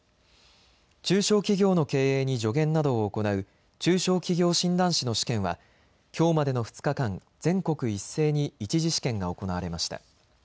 中小企業の経営に助言などを行う中小企業診断士の試験はきょうまでの２日間、全国一斉に１次試験が行われました。